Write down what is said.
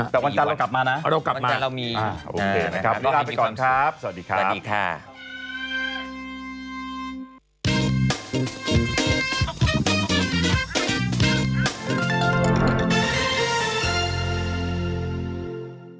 แต่วันจันทร์เรากลับมานะเรากลับมาเรามีโอเคนะครับวันนี้ลาไปก่อนครับสวัสดีครับสวัสดีค่ะ